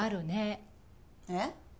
えっ？